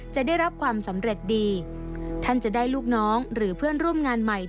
จะได้รับความสำเร็จดีท่านจะได้ลูกน้องหรือเพื่อนร่วมงานใหม่